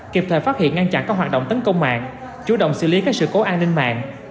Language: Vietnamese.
kịp thời phát hiện ngăn chặn các hoạt động tấn công mạng chủ động xử lý các sự cố an ninh mạng